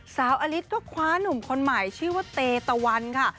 อลิศก็คว้านุ่มคนใหม่ชื่อว่าเตตะวันค่ะ